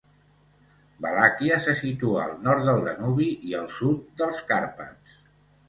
Valàquia se situa al nord del Danubi i al sud dels Carpats.